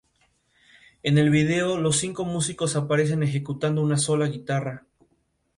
En el extranjero la marca se extendió en cada rincón, conquistando amplios mercados.